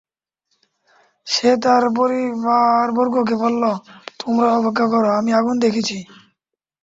সে তার পরিবারবর্গকে বলল, তোমরা অপেক্ষা কর, আমি আগুন দেখেছি।